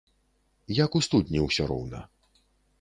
Як у студні ўсё роўна.